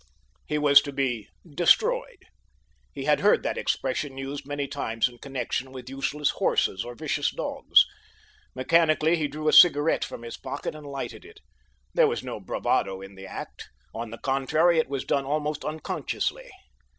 He was to be "destroyed." He had heard that expression used many times in connection with useless horses, or vicious dogs. Mechanically he drew a cigarette from his pocket and lighted it. There was no bravado in the act. On the contrary it was done almost unconsciously.